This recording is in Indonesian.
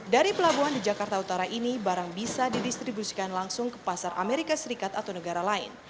dari pelabuhan di jakarta utara ini barang bisa didistribusikan langsung ke pasar amerika serikat atau negara lain